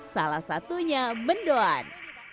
salah satunya mendoan